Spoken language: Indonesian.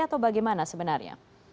atau bagaimana sebenarnya